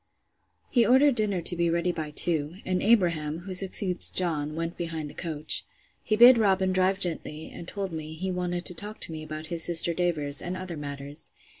He ordered dinner to be ready by two; and Abraham, who succeeds John, went behind the coach. He bid Robin drive gently, and told me, he wanted to talk to me about his sister Davers, and other matters.